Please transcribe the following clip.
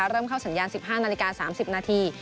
เริ่มเข้าสัญญาณ๑๕นาฬิกา๓๐นาที